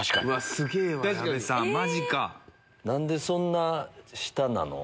え⁉何でそんな下なの？